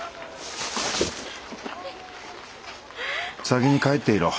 先に帰っていろ。